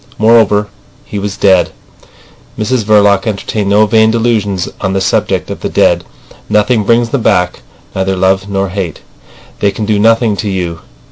Moreover, he was dead. Mrs Verloc entertained no vain delusions on the subject of the dead. Nothing brings them back, neither love nor hate. They can do nothing to you.